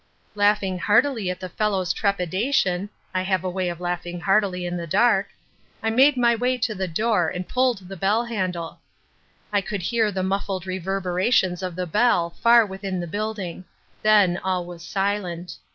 Laughing heartily at the fellow's trepidation (I have a way of laughing heartily in the dark), I made my way to the door and pulled the bell handle. I could hear the muffled reverberations of the bell far within the building. Then all was silent.